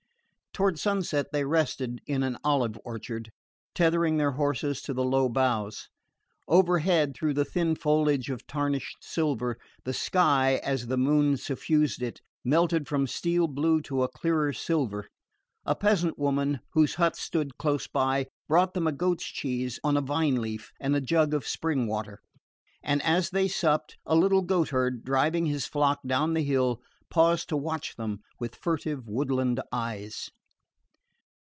Toward sunset they rested in an olive orchard, tethering their horses to the low boughs. Overhead, through the thin foliage of tarnished silver, the sky, as the moon suffused it, melted from steel blue to a clearer silver. A peasant woman whose hut stood close by brought them a goat's cheese on a vine leaf and a jug of spring water; and as they supped, a little goat herd, driving his flock down the hill, paused to watch them with furtive woodland eyes.